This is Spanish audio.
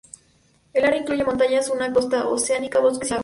El área incluye montañas, una costa oceánica, bosques y lagos.